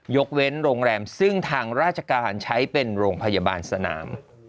ยกเว้นโรงแรมซึ่งทางราชการใช้เป็นโรงพยาบาลสนาม